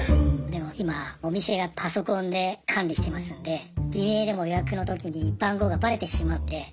でも今お店がパソコンで管理してますんで偽名でも予約のときに番号がバレてしまうんで。